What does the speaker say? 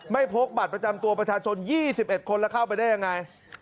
พกบัตรประจำตัวประชาชน๒๑คนแล้วเข้าไปได้ยังไง